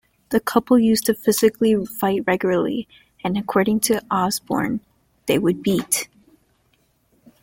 The couple used to physically fight regularly and, according to Osbourne, they would beat.